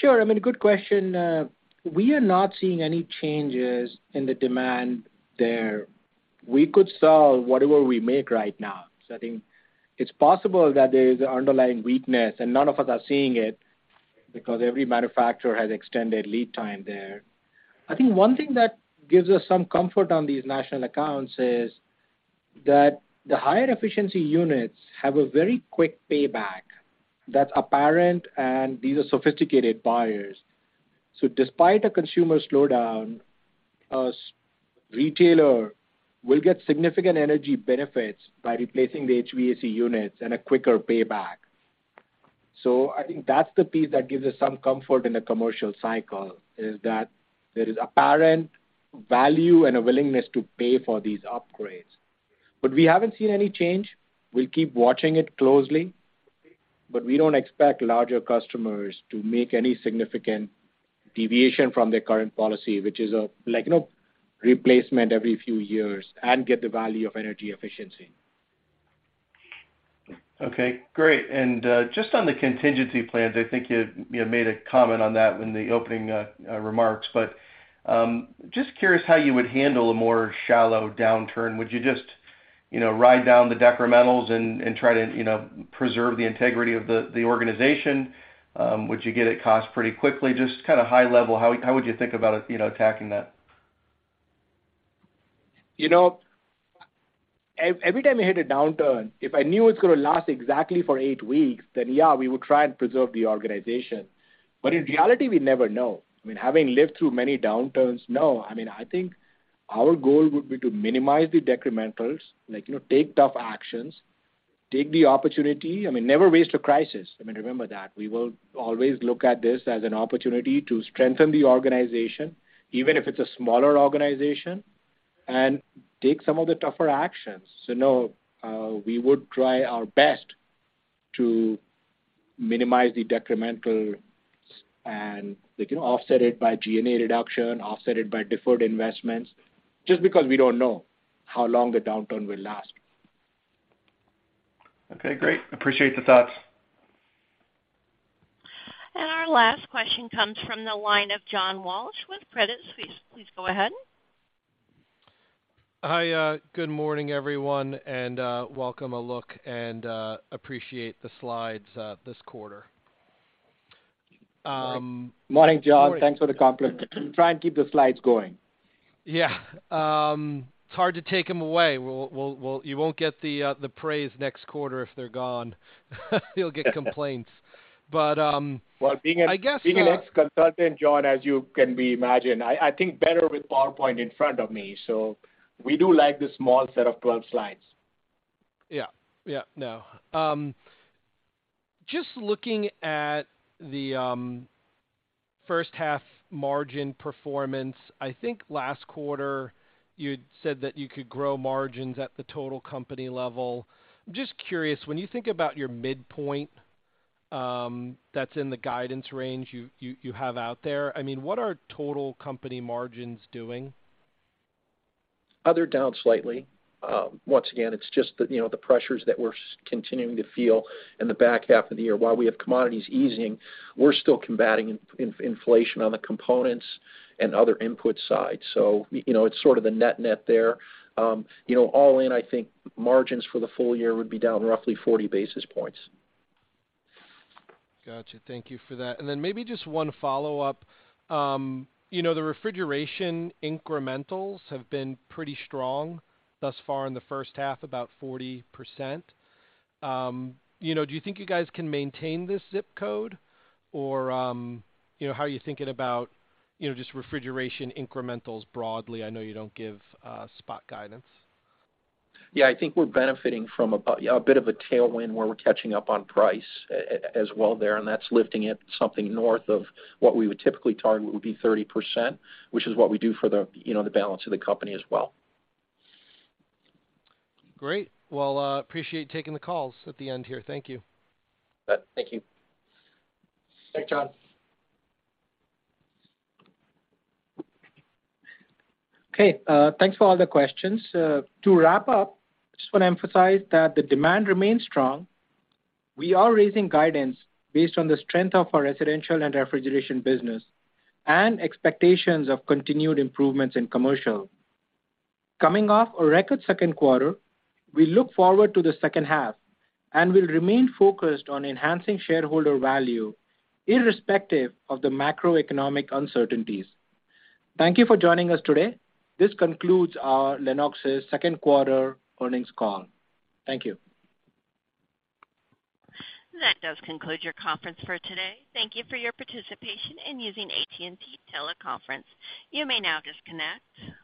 S3: Sure. I mean, a good question. We are not seeing any changes in the demand there. We could sell whatever we make right now. I think it's possible that there's underlying weakness, and none of us are seeing it. Because every manufacturer has extended lead time there. I think one thing that gives us some comfort on these national accounts is that the higher efficiency units have a very quick payback that's apparent, and these are sophisticated buyers. Despite a consumer slowdown, a retailer will get significant energy benefits by replacing the HVAC units and a quicker payback. I think that's the piece that gives us some comfort in the commercial cycle, is that there is apparent value and a willingness to pay for these upgrades. We haven't seen any change. We'll keep watching it closely, but we don't expect larger customers to make any significant deviation from their current policy, which is, like, you know, replacement every few years and get the value of energy efficiency.
S14: Okay, great. Just on the contingency plans, I think you made a comment on that in the opening remarks, but just curious how you would handle a more shallow downturn. Would you just, you know, ride down the decrementals and try to, you know, preserve the integrity of the organization? Would you cut costs pretty quickly? Just kinda high level, how would you think about, you know, attacking that?
S3: You know, every time we hit a downturn, if I knew it's gonna last exactly for eight weeks, then yeah, we would try and preserve the organization. But in reality, we never know. I mean, having lived through many downturns, no, I mean, I think our goal would be to minimize the decrementals, like, you know, take tough actions, take the opportunity. I mean, never waste a crisis. I mean, remember that. We will always look at this as an opportunity to strengthen the organization, even if it's a smaller organization, and take some of the tougher actions. No, we would try our best to minimize the decrementals and we can offset it by G&A reduction, offset it by deferred investments, just because we don't know how long the downturn will last.
S14: Okay, great. Appreciate the thoughts.
S1: Our last question comes from the line of John Walsh with Credit Suisse. Please go ahead.
S15: Hi, good morning, everyone, and welcome Alok and appreciate the slides this quarter.
S3: Morning, John. Thanks for the compliment. Try and keep the slides going.
S15: Yeah. It's hard to take them away. You won't get the praise next quarter if they're gone. You'll get complaints. I guess,
S3: Well, being an ex-consultant, John, as you can imagine, I think better with PowerPoint in front of me. We do like the small set of 12 slides.
S15: Yeah. Yeah, no. Just looking at the first half margin performance, I think last quarter you'd said that you could grow margins at the total company level. Just curious, when you think about your midpoint, that's in the guidance range you have out there, I mean, what are total company margins doing?
S4: Other down slightly. Once again, it's just the, you know, the pressures that we're continuing to feel in the back half of the year. While we have commodities easing, we're still combating inflation on the components and other input side. You know, it's sort of the net-net there. You know, all in, I think margins for the full year would be down roughly 40 basis points.
S15: Gotcha. Thank you for that. Then maybe just one follow-up. You know, the refrigeration incrementals have been pretty strong thus far in the first half, about 40%. You know, do you think you guys can maintain this zip code or, you know, how are you thinking about, you know, just refrigeration incrementals broadly? I know you don't give spot guidance.
S4: Yeah, I think we're benefiting from about, yeah, a bit of a tailwind where we're catching up on price as well there, and that's lifting it something north of what we would typically target, would be 30%, which is what we do for the, you know, the balance of the company as well.
S15: Great. Well, appreciate taking the calls at the end here. Thank you.
S4: Thank you.
S3: Thanks, John. Okay, thanks for all the questions. To wrap up, just wanna emphasize that the demand remains strong. We are raising guidance based on the strength of our residential and refrigeration business and expectations of continued improvements in commercial. Coming off a record second quarter, we look forward to the second half and will remain focused on enhancing shareholder value irrespective of the macroeconomic uncertainties. Thank you for joining us today. This concludes our Lennox's second quarter earnings call. Thank you.
S1: That does conclude your conference for today. Thank you for your participation in using AT&T Teleconference. You may now disconnect.